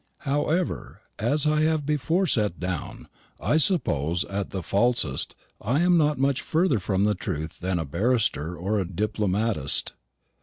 However, as I have before set down, I suppose at the falsest I am not much farther from the truth than a barrister or a diplomatist.